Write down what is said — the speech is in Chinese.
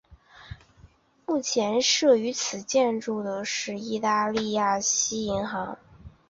目前设于此建筑的是意大利西雅那银行。